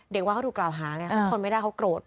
ว่าเขาถูกกล่าวหาไงเขาทนไม่ได้เขาโกรธ